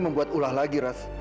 membuat ulah lagi